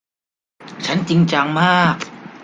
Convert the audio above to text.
ฉันจริงจังมาก